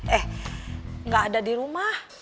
eh gak ada dirumah